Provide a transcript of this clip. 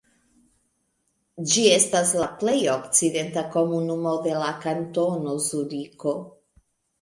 Ĝi estas la plej okcidenta komunumo de la Kantono Zuriko.